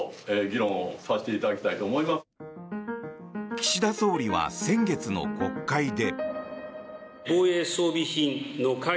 岸田総理は先月の国会で。